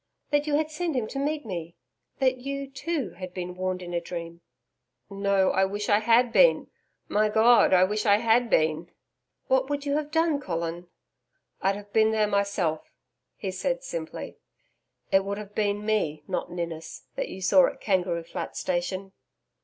That you had sent him to meet me. That you, too, had been warned in a dream?' 'No, I wish I had been My God, I wish I had been.' 'What would you have done, Colin?' 'I'd have been there myself,' he said simply. 'It would have been me, not Ninnis, that you saw at Kangaroo Flat Station.'